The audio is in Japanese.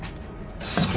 それ。